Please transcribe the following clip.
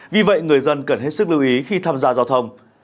vì vậy người dân cần hết sức lưu ý khi tham gia giao thông